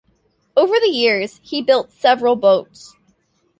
Over the years he built several boats.